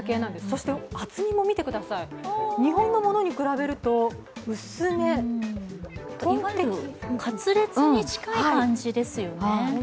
厚みも見てください、日本のものに比べるとカツレツに近い感じですよね。